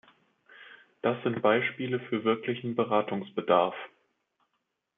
Das sind Beispiele für wirklichen Beratungsbedarf.